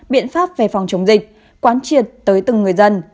biện pháp về phòng chống dịch quán triệt tới từng người dân